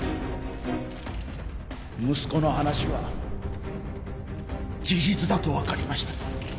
息子の話は事実だとわかりました。